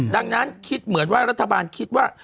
ดังนั้นคิดเหมือนว่ารัฐบาลคิดว่า